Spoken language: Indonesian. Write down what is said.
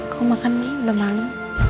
kau makan nih udah malu